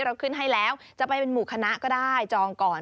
เราขึ้นให้แล้วจะไปเป็นหมู่คณะก็ได้จองก่อน